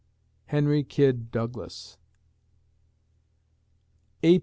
HENRY KYD DOUGLAS _A.